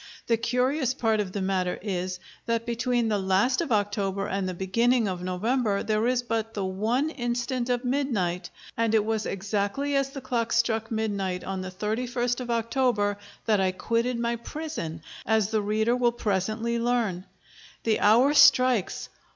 The curious part of the matter is, that between the last of October and the beginning of November there is but the one instant of midnight; and it was exactly as the clock struck midnight on the 31st of October that I quitted my prison, as the reader will presently learn.... The hour strikes.